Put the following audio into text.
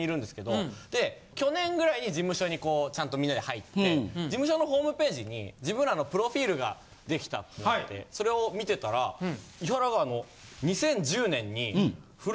去年ぐらいに事務所にこうちゃんとみんなで入って事務所のホームページに自分らのプロフィールが出来たっていうのでそれを見てたら飯原が。